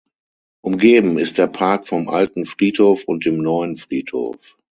Umgeben ist der Park vom Alten Friedhof und dem Neuen Friedhof.